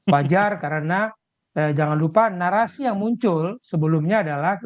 wajar karena jangan lupa narasi yang muncul sebelumnya adalah